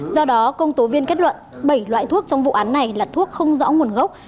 do đó công tố viên kết luận bảy loại thuốc trong vụ án này là thuốc không rõ nguồn gốc